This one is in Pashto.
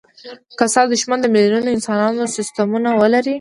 که ستا دوښمن د میلیونونو انسانانو سستمونه ولري.